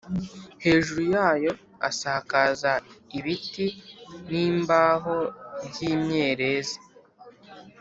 hejuru yayo asakaza ibiti n’imbaho by’imyerezi